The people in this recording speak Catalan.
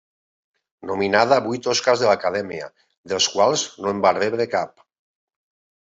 Nominada a vuit Oscars de l'Acadèmia dels quals no en va rebre cap.